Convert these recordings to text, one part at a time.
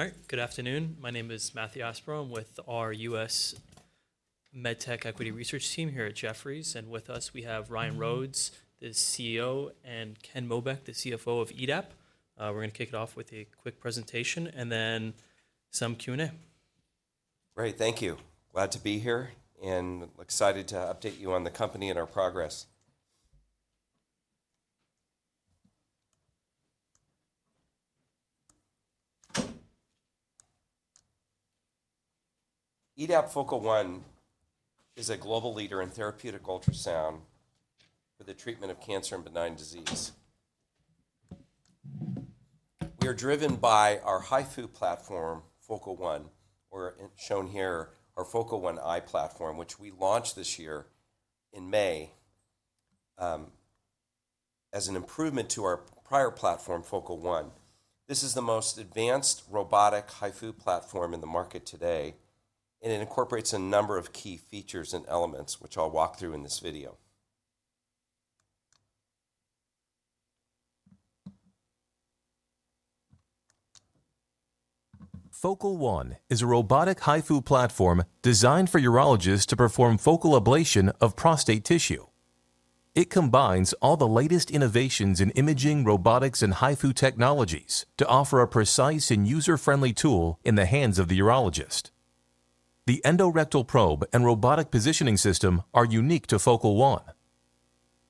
All right, good afternoon. My name is Matthew Aspro. I'm with our U.S. MedTech Equity Research team here at Jefferies. With us, we have Ryan Rhodes, the CEO, and Ken Mobeck, the CFO of EDAP. We're going to kick it off with a quick presentation and then some Q&A. Great, thank you. Glad to be here and excited to update you on the company and our progress. EDAP Focal One is a global leader in therapeutic ultrasound for the treatment of cancer and benign disease. We are driven by our HIFU platform, Focal One, or shown here, our Focal One i platform, which we launched this year in May as an improvement to our prior platform, Focal One. This is the most advanced robotic HIFU platform in the market today, and it incorporates a number of key features and elements, which I'll walk through in this video. Focal One is a robotic HIFU platform designed for urologists to perform focal ablation of prostate tissue. It combines all the latest innovations in imaging, robotics, and HIFU technologies to offer a precise and user-friendly tool in the hands of the urologist. The endorectal probe and robotic positioning system are unique to Focal One.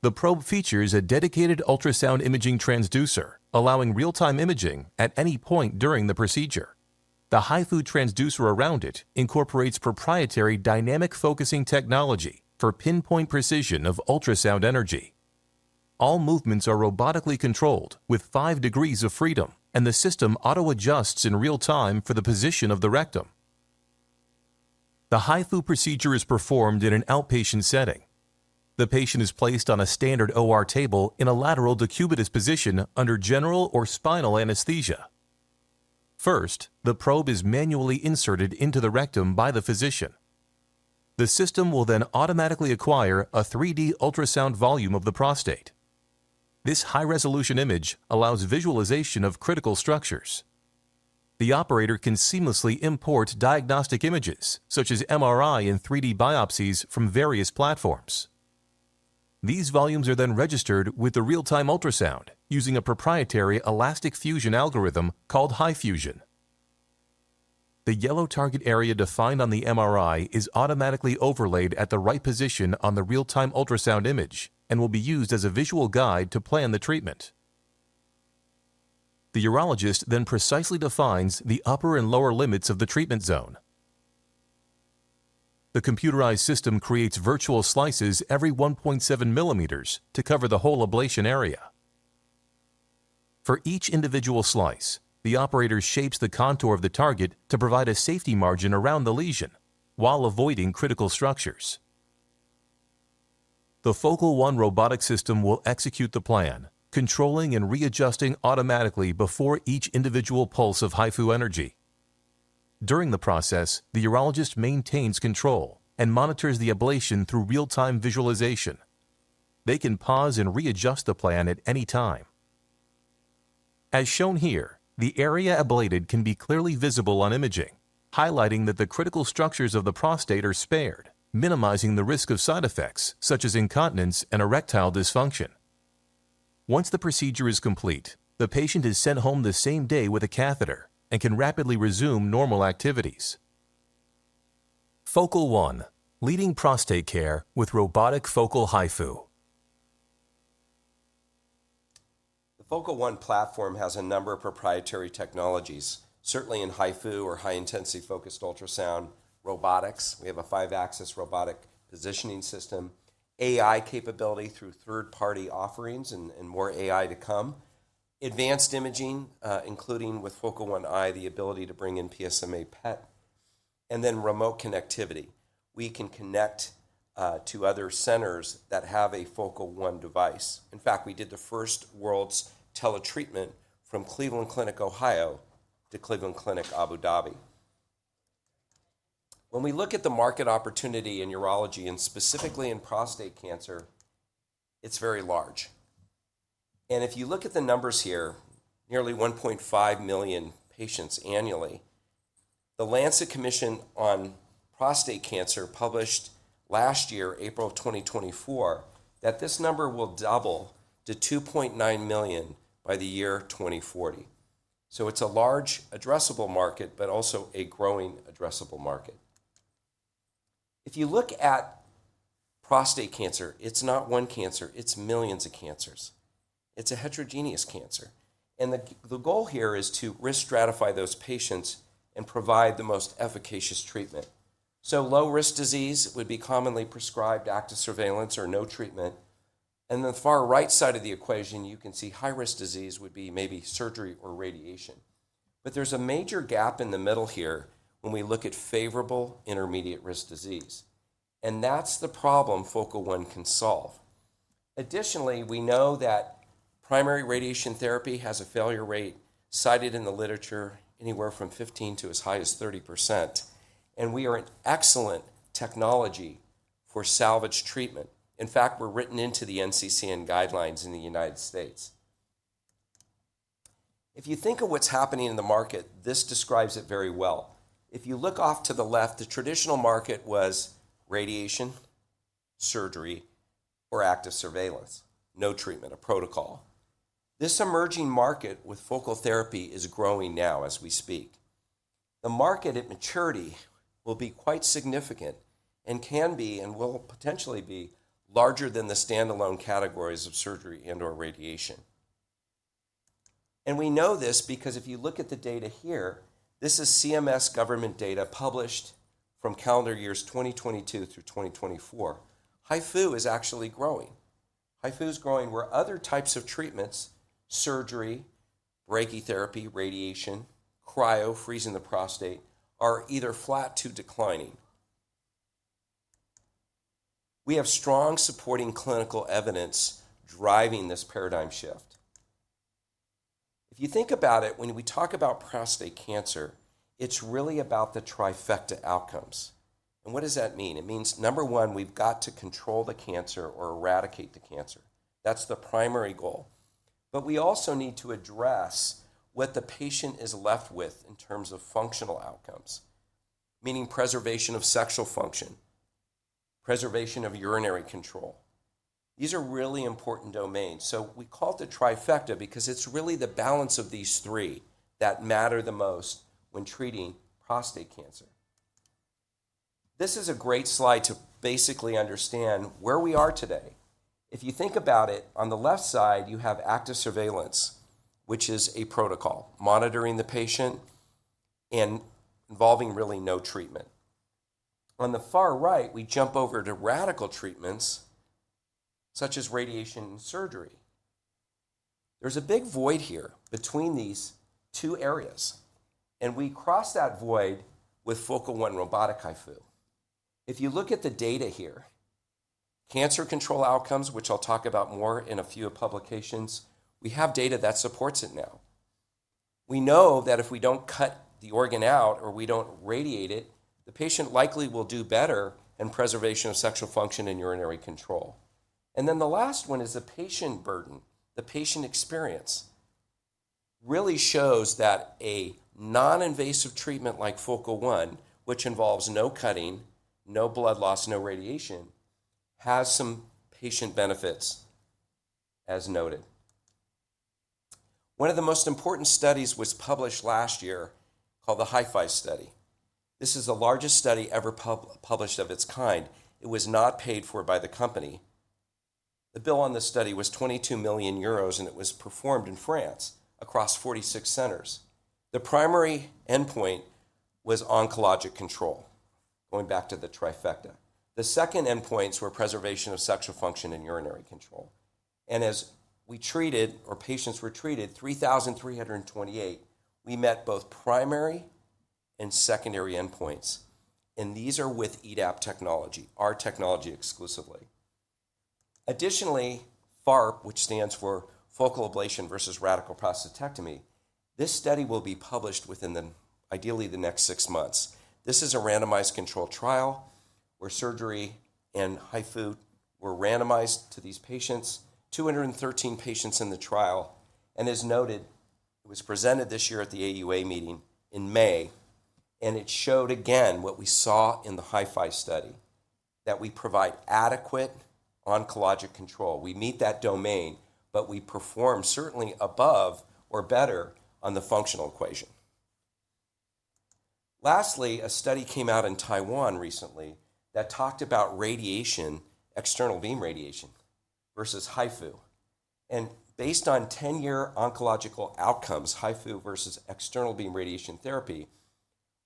The probe features a dedicated ultrasound imaging transducer, allowing real-time imaging at any point during the procedure. The HIFU transducer around it incorporates proprietary dynamic focusing technology for pinpoint precision of ultrasound energy. All movements are robotically controlled with five degrees of freedom, and the system auto-adjusts in real time for the position of the rectum. The HIFU procedure is performed in an outpatient setting. The patient is placed on a standard OR table in a lateral decubitus position under general or spinal anesthesia. First, the probe is manually inserted into the rectum by the physician. The system will then automatically acquire a 3D ultrasound volume of the prostate. This high-resolution image allows visualization of critical structures. The operator can seamlessly import diagnostic images, such as MRI and 3D biopsies, from various platforms. These volumes are then registered with the real-time ultrasound using a proprietary elastic fusion algorithm called HIFUsion. The yellow target area defined on the MRI is automatically overlaid at the right position on the real-time ultrasound image and will be used as a visual guide to plan the treatment. The urologist then precisely defines the upper and lower limits of the treatment zone. The computerized system creates virtual slices every 1.7 mm to cover the whole ablation area. For each individual slice, the operator shapes the contour of the target to provide a safety margin around the lesion while avoiding critical structures. The Focal One robotic system will execute the plan, controlling and readjusting automatically before each individual pulse of HIFU energy. During the process, the urologist maintains control and monitors the ablation through real-time visualization. They can pause and readjust the plan at any time. As shown here, the area ablated can be clearly visible on imaging, highlighting that the critical structures of the prostate are spared, minimizing the risk of side effects such as incontinence and erectile dysfunction. Once the procedure is complete, the patient is sent home the same day with a catheter and can rapidly resume normal activities. Focal One: Leading Prostate Care with Robotic Focal HIFU. The Focal One platform has a number of proprietary technologies, certainly in HIFU or high-intensity focused ultrasound robotics. We have a five-axis robotic positioning system, AI capability through third-party offerings, and more AI to come, advanced imaging, including with Focal One Eye, the ability to bring in PSMA PET, and then remote connectivity. We can connect to other centers that have a Focal One device. In fact, we did the first world's teletreatment from Cleveland Clinic, Ohio, to Cleveland Clinic, Abu Dhabi. When we look at the market opportunity in urology, and specifically in prostate cancer, it is very large. If you look at the numbers here, nearly 1.5 million patients annually, the Lancet Commission on prostate cancer published last year, April of 2024, that this number will double to 2.9 million by the year 2040. It is a large, addressable market, but also a growing addressable market. If you look at prostate cancer, it's not one cancer, it's millions of cancers. It's a heterogeneous cancer. The goal here is to risk stratify those patients and provide the most efficacious treatment. Low-risk disease would be commonly prescribed active surveillance or no treatment. On the far right side of the equation, you can see high-risk disease would be maybe surgery or radiation. There is a major gap in the middle here when we look at favorable intermediate-risk disease. That's the problem Focal One can solve. Additionally, we know that primary radiation therapy has a failure rate cited in the literature anywhere from 15% to as high as 30%. We are an excellent technology for salvage treatment. In fact, we're written into the NCCN guidelines in the United States. If you think of what's happening in the market, this describes it very well. If you look off to the left, the traditional market was radiation, surgery, or active surveillance, no treatment, a protocol. This emerging market with focal therapy is growing now as we speak. The market at maturity will be quite significant and can be and will potentially be larger than the standalone categories of surgery and/or radiation. We know this because if you look at the data here, this is CMS government data published from calendar years 2022 through 2024. HIFU is actually growing. HIFU is growing where other types of treatments, surgery, brachytherapy, radiation, cryo, freezing the prostate, are either flat to declining. We have strong supporting clinical evidence driving this paradigm shift. If you think about it, when we talk about prostate cancer, it's really about the trifecta outcomes. What does that mean? It means, number one, we've got to control the cancer or eradicate the cancer. That's the primary goal. We also need to address what the patient is left with in terms of functional outcomes, meaning preservation of sexual function, preservation of urinary control. These are really important domains. We call it the trifecta because it's really the balance of these three that matter the most when treating prostate cancer. This is a great slide to basically understand where we are today. If you think about it, on the left side, you have active surveillance, which is a protocol monitoring the patient and involving really no treatment. On the far right, we jump over to radical treatments such as radiation and surgery. There's a big void here between these two areas. We cross that void with Focal One Robotic HIFU. If you look at the data here, cancer control outcomes, which I'll talk about more in a few publications, we have data that supports it now. We know that if we don't cut the organ out or we don't radiate it, the patient likely will do better in preservation of sexual function and urinary control. The last one is the patient burden. The patient experience really shows that a non-invasive treatment like Focal One, which involves no cutting, no blood loss, no radiation, has some patient benefits, as noted. One of the most important studies was published last year called the HIFi study. This is the largest study ever published of its kind. It was not paid for by the company. The bill on the study was 22 million euros, and it was performed in France across 46 centers. The primary endpoint was oncologic control, going back to the trifecta. The second endpoints were preservation of sexual function and urinary control. As we treated, or patients were treated, 3,328, we met both primary and secondary endpoints. These are with EDAP technology, our technology exclusively. Additionally, FARP, which stands for focal ablation versus radical prostatectomy, this study will be published within ideally the next six months. This is a randomized control trial where surgery and HIFU were randomized to these patients, 213 patients in the trial. As noted, it was presented this year at the AUA meeting in May, and it showed again what we saw in the HIFi study, that we provide adequate oncologic control. We meet that domain, but we perform certainly above or better on the functional equation. Lastly, a study came out in Taiwan recently that talked about radiation, external beam radiation versus HIFU. Based on 10-year oncological outcomes, HIFU versus external beam radiation therapy,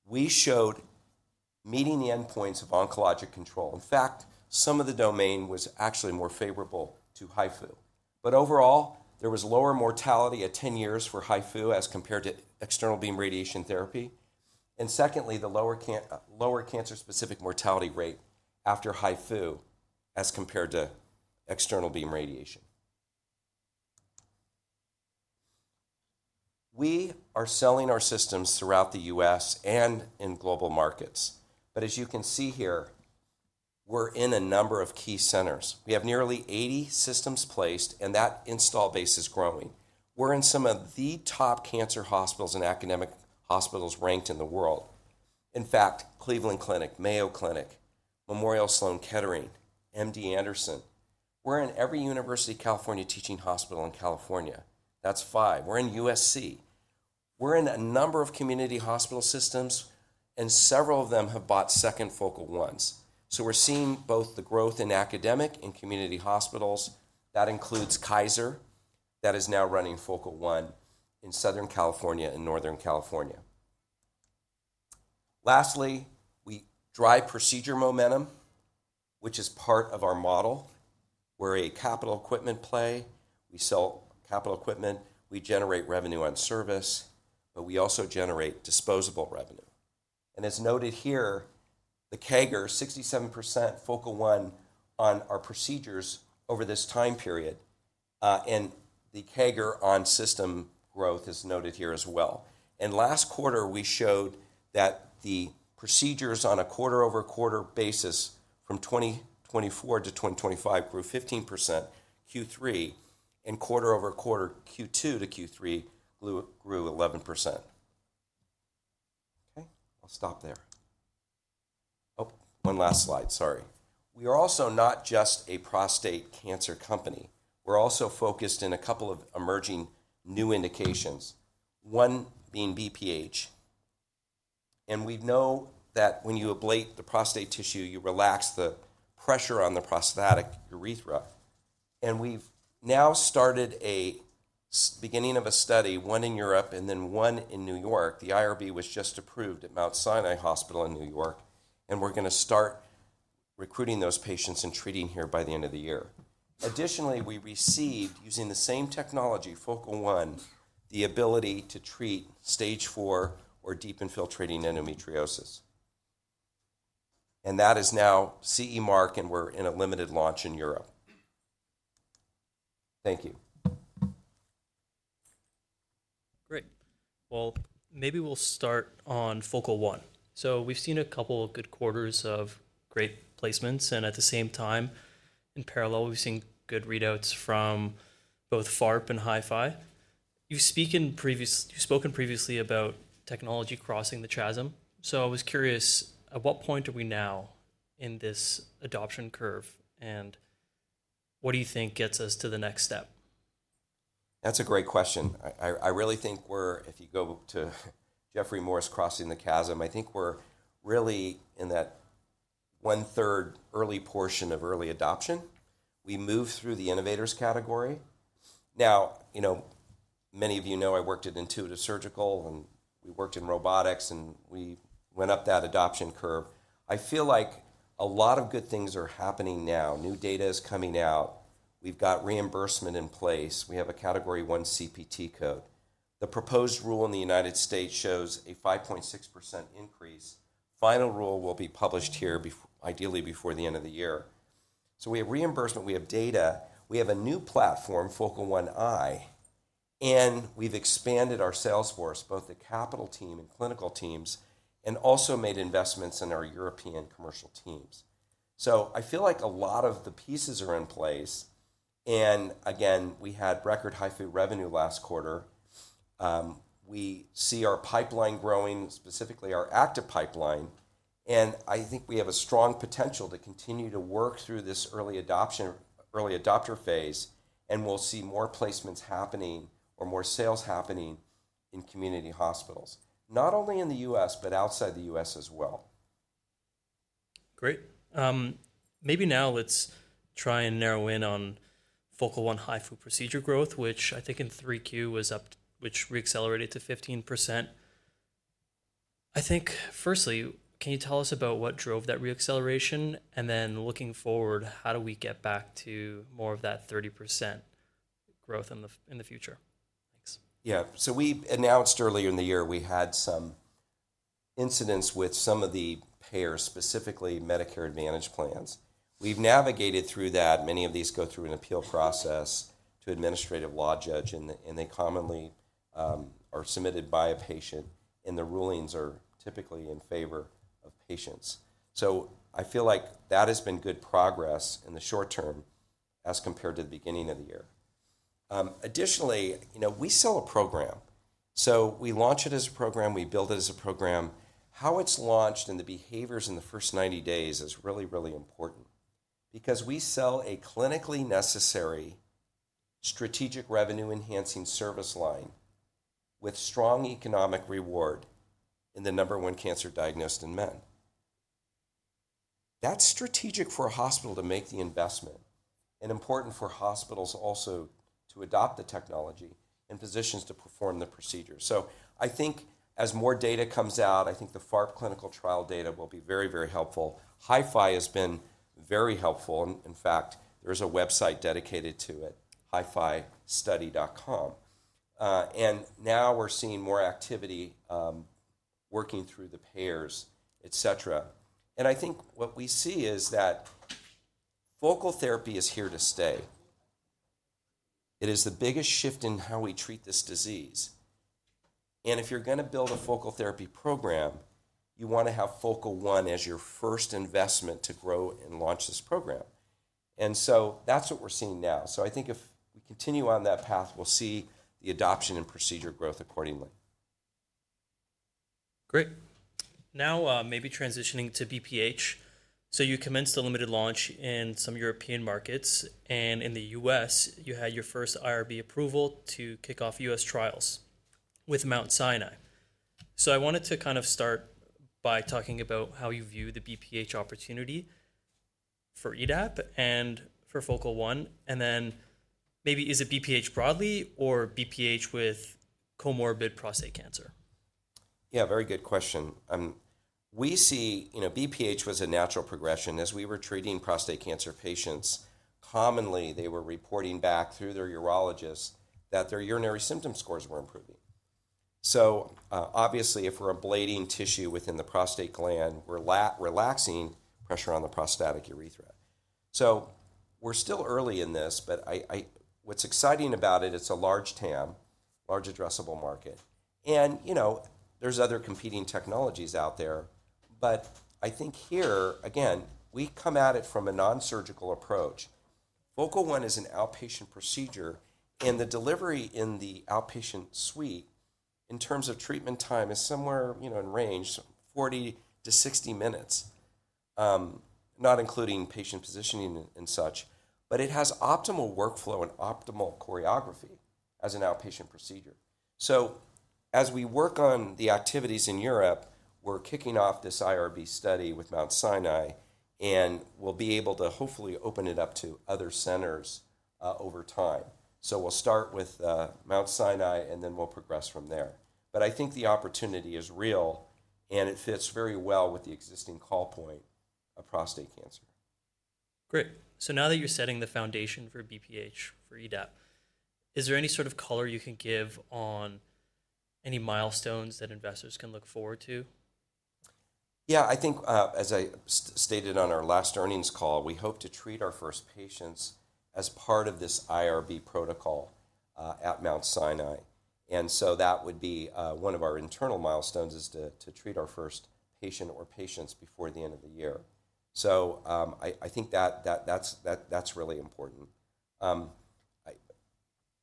we showed meeting the endpoints of oncologic control. In fact, some of the domain was actually more favorable to HIFU. Overall, there was lower mortality at 10 years for HIFU as compared to external beam radiation therapy. Secondly, the lower cancer-specific mortality rate after HIFU as compared to external beam radiation. We are selling our systems throughout the U.S. and in global markets. As you can see here, we're in a number of key centers. We have nearly 80 systems placed, and that install base is growing. We're in some of the top cancer hospitals and academic hospitals ranked in the world. In fact, Cleveland Clinic, Mayo Clinic, Memorial Sloan Kettering, MD Anderson. We're in every University of California teaching hospital in California. That's five. We're in USC. We're in a number of community hospital systems, and several of them have bought second Focal Ones. We're seeing both the growth in academic and community hospitals. That includes Kaiser, that is now running Focal One in Southern California and Northern California. Lastly, we drive procedure momentum, which is part of our model. We're a capital equipment play. We sell capital equipment. We generate revenue on service, but we also generate disposable revenue. As noted here, the CAGR, 67% Focal One on our procedures over this time period, and the CAGR on system growth is noted here as well. Last quarter, we showed that the procedures on a quarter-over-quarter basis from 2024 to 2025 grew 15% Q3, and quarter-over-quarter Q2 to Q3 grew 11%. Okay, I'll stop there. Oh, one last slide, sorry. We are also not just a prostate cancer company. We're also focused in a couple of emerging new indications, one being BPH. We know that when you ablate the prostate tissue, you relax the pressure on the prostatic urethra. We've now started a beginning of a study, one in Europe and then one in New York. The IRB was just approved at Mount Sinai Hospital in New York. We're going to start recruiting those patients and treating here by the end of the year. Additionally, we received, using the same technology, Focal One, the ability to treat stage four or deep infiltrating endometriosis. That is now CE mark, and we're in a limited launch in Europe. Thank you. Great. Maybe we'll start on Focal One. We've seen a couple of good quarters of great placements. At the same time, in parallel, we've seen good readouts from both FARP and HIFI. You've spoken previously about technology crossing the chasm. I was curious, at what point are we now in this adoption curve? What do you think gets us to the next step? That's a great question. I really think we're, if you go to Jeffrey Moore's crossing the chasm, I think we're really in that one-third early portion of early adoption. We moved through the innovators category. Now, many of you know I worked at Intuitive Surgical, and we worked in robotics, and we went up that adoption curve. I feel like a lot of good things are happening now. New data is coming out. We've got reimbursement in place. We have a category one CPT code. The proposed rule in the United States shows a 5.6% increase. Final rule will be published here, ideally before the end of the year. We have reimbursement, we have data, we have a new platform, Focal One i, and we've expanded our sales force, both the capital team and clinical teams, and also made investments in our European commercial teams. I feel like a lot of the pieces are in place. Again, we had record HIFU revenue last quarter. We see our pipeline growing, specifically our active pipeline. I think we have a strong potential to continue to work through this early adoption, early adopter phase, and we'll see more placements happening or more sales happening in community hospitals, not only in the U.S., but outside the U.S. as well. Great. Maybe now let's try and narrow in on Focal One HIFU procedure growth, which I think in Q3 was up, which reaccelerated to 15%. I think, firstly, can you tell us about what drove that reacceleration? And then looking forward, how do we get back to more of that 30% growth in the future? Thanks. Yeah. We announced earlier in the year we had some incidents with some of the payers, specifically Medicare Advantage plans. We've navigated through that. Many of these go through an appeal process to administrative law judge, and they commonly are submitted by a patient, and the rulings are typically in favor of patients. I feel like that has been good progress in the short term as compared to the beginning of the year. Additionally, we sell a program. We launch it as a program, we build it as a program. How it's launched and the behaviors in the first 90 days is really, really important because we sell a clinically necessary strategic revenue-enhancing service line with strong economic reward in the number one cancer diagnosed in men. That's strategic for a hospital to make the investment and important for hospitals also to adopt the technology and physicians to perform the procedure. I think as more data comes out, I think the FARP clinical trial data will be very, very helpful. HIFI has been very helpful. In fact, there is a website dedicated to it, hifistudy.com. Now we're seeing more activity working through the payers, et cetera. I think what we see is that focal therapy is here to stay. It is the biggest shift in how we treat this disease. If you're going to build a focal therapy program, you want to have Focal One as your first investment to grow and launch this program. That's what we're seeing now. I think if we continue on that path, we'll see the adoption and procedure growth accordingly. Great. Now, maybe transitioning to BPH. You commenced a limited launch in some European markets. In the U.S., you had your first IRB approval to kick off U.S. trials with Mount Sinai. I wanted to kind of start by talking about how you view the BPH opportunity for EDAP and for Focal One. Then maybe is it BPH broadly or BPH with comorbid prostate cancer? Yeah, very good question. We see BPH was a natural progression. As we were treating prostate cancer patients, commonly they were reporting back through their urologist that their urinary symptom scores were improving. Obviously, if we're ablating tissue within the prostate gland, we're relaxing pressure on the prostatic urethra. We're still early in this, but what's exciting about it, it's a large TAM, large addressable market. There are other competing technologies out there. I think here, again, we come at it from a non-surgical approach. Focal One is an outpatient procedure, and the delivery in the outpatient suite in terms of treatment time is somewhere in the range, 40-60 minutes, not including patient positioning and such. It has optimal workflow and optimal choreography as an outpatient procedure. As we work on the activities in Europe, we're kicking off this IRB study with Mount Sinai, and we'll be able to hopefully open it up to other centers over time. We'll start with Mount Sinai, and then we'll progress from there. I think the opportunity is real, and it fits very well with the existing call point of prostate cancer. Great. Now that you're setting the foundation for BPH for EDAP, is there any sort of color you can give on any milestones that investors can look forward to? Yeah, I think as I stated on our last earnings call, we hope to treat our first patients as part of this IRB protocol at Mount Sinai. That would be one of our internal milestones is to treat our first patient or patients before the end of the year. I think that that's really important.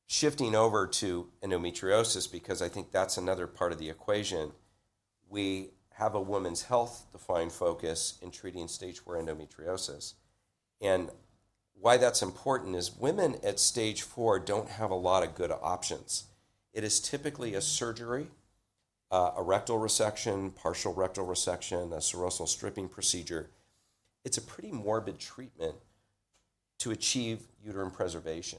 Shifting over to endometriosis, because I think that's another part of the equation, we have a women's health defined focus in treating stage four endometriosis. Why that's important is women at stage four do not have a lot of good options. It is typically a surgery, a rectal resection, partial rectal resection, a serosal stripping procedure. It's a pretty morbid treatment to achieve uterine preservation.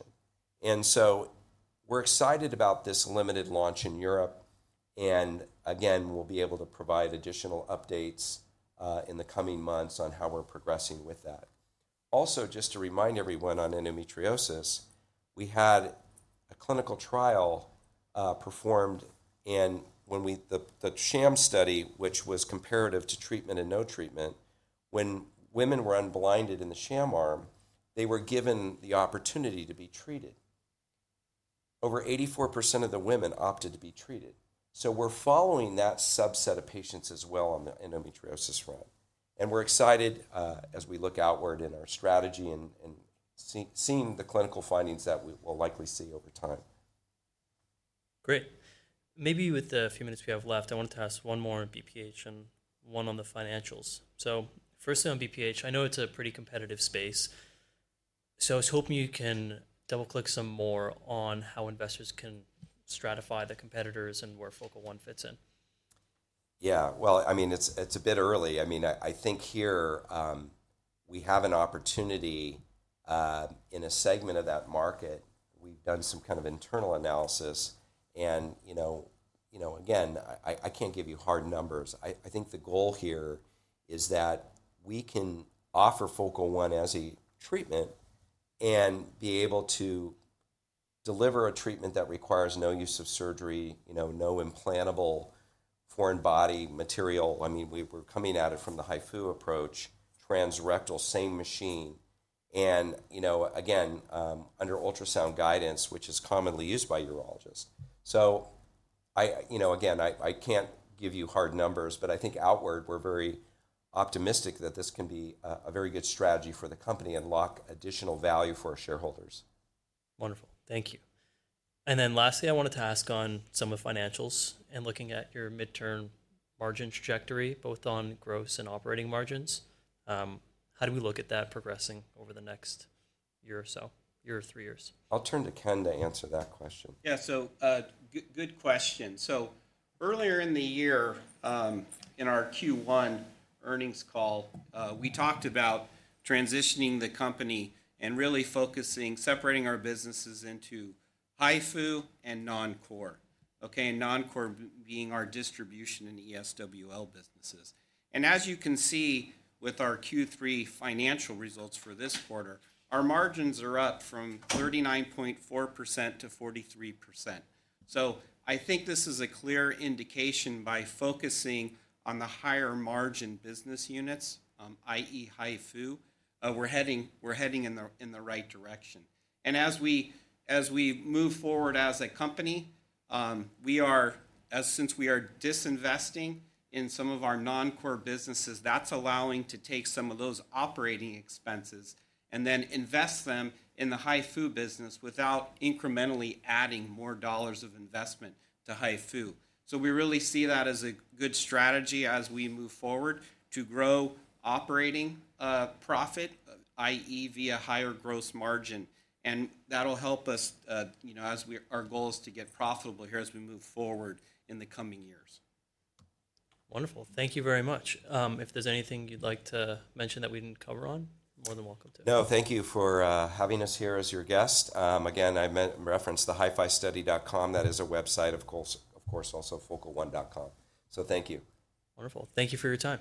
We are excited about this limited launch in Europe. We will be able to provide additional updates in the coming months on how we are progressing with that. Also, just to remind everyone on endometriosis, we had a clinical trial performed in the sham study, which was comparative to treatment and no treatment. When women were unblinded in the sham arm, they were given the opportunity to be treated. Over 84% of the women opted to be treated. We are following that subset of patients as well on the endometriosis front. We are excited as we look outward in our strategy and seeing the clinical findings that we will likely see over time. Great. Maybe with the few minutes we have left, I want to ask one more on BPH and one on the financials. Firstly, on BPH, I know it's a pretty competitive space. I was hoping you can double-click some more on how investors can stratify the competitors and where Focal One fits in. Yeah, I mean, it's a bit early. I mean, I think here we have an opportunity in a segment of that market. We've done some kind of internal analysis. Again, I can't give you hard numbers. I think the goal here is that we can offer Focal One as a treatment and be able to deliver a treatment that requires no use of surgery, no implantable foreign body material. I mean, we're coming at it from the HIFU approach, transrectal, same machine, and again, under ultrasound guidance, which is commonly used by urologists. Again, I can't give you hard numbers, but I think outward we're very optimistic that this can be a very good strategy for the company and lock additional value for our shareholders. Wonderful. Thank you. Lastly, I wanted to ask on some of the financials and looking at your midterm margin trajectory, both on gross and operating margins. How do we look at that progressing over the next year or so, year or three years? I'll turn to Ken to answer that question. Yeah, so good question. Earlier in the year, in our Q1 earnings call, we talked about transitioning the company and really focusing, separating our businesses into HIFU and non-core, okay, and non-core being our distribution and ESWL businesses. As you can see with our Q3 financial results for this quarter, our margins are up from 39.4% to 43%. I think this is a clear indication by focusing on the higher margin business units, i.e., HIFU, we're heading in the right direction. As we move forward as a company, since we are disinvesting in some of our non-core businesses, that's allowing us to take some of those operating expenses and then invest them in the HIFU business without incrementally adding more dollars of investment to HIFU. We really see that as a good strategy as we move forward to grow operating profit, i.e., via higher gross margin. That'll help us as our goal is to get profitable here as we move forward in the coming years. Wonderful. Thank you very much. If there's anything you'd like to mention that we didn't cover on, more than welcome to. No, thank you for having us here as your guest. Again, I referenced the hifistudy.com. That is a website, of course, also focalone.com. So thank you. Wonderful. Thank you for your time.